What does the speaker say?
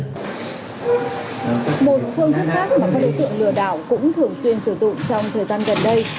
một phương thức khác mà các đối tượng lừa đảo cũng thường xuyên sử dụng trong thời gian gần đây